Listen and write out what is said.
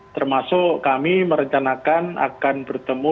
termasuk kami merencanakan akan bertemu